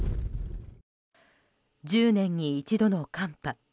１０年に一度の寒波。